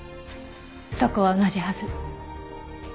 そこは同じはず。